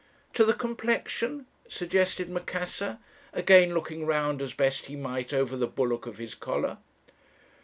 "'To the complexion?' suggested Macassar, again looking round as best he might over the bulwark of his collar.